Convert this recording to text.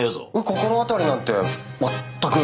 心当たりなんて全く。